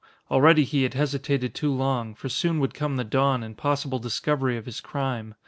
Already he had hesitated too long, for soon would come the dawn and possible discovery of his crime.